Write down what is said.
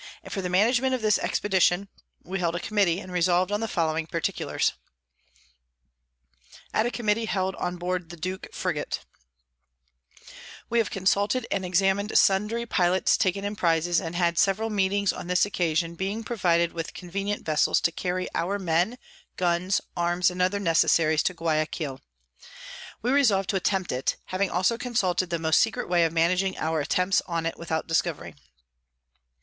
And for the Management of this Expedition, we held a Committee, and resolv'd on the following Particulars. At a Committee held on board the Duke Frigot _We have consulted and examin'd sundry Pilots taken in Prizes, and had several Meetings on this Occasion, being provided with convenient Vessels to carry our Men, Guns, Arms, and other Necessaries to_ Guiaquil: _We resolve to attempt it, having also consulted the most secret way of managing our Attempts on it without discovery.